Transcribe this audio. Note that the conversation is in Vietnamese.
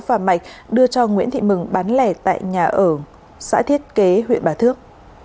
và mạch đưa cho nguyễn thị mừng bán lẻ tại nhà ở xã thiết kế huyện bà thước